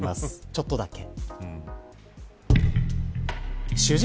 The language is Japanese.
ちょっとだけ。